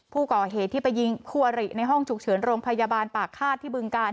ผู้ก่อเหตุที่ไปยิงคู่อริในห้องฉุกเฉินโรงพยาบาลปากฆาตที่บึงกาล